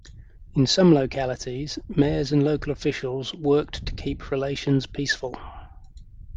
In some localities, mayors and local officials worked to keep relations peaceful.